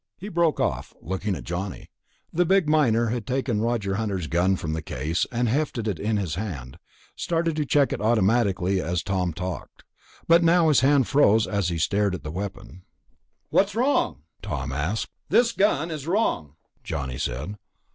He broke off, looking at Johnny. The big miner had taken Roger Hunter's gun from the case, and hefted it in his hand, started to check it automatically as Tom talked. But now his hand froze as he stared at the weapon. "What's wrong?" Tom asked. "This gun is wrong," Johnny said.